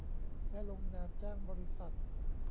และลงนามจ้างบริษัท